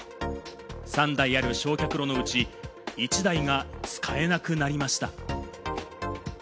３台ある焼却炉のうち１台が使えなくなりました。